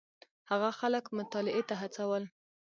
هغه خلک مطالعې ته هڅول.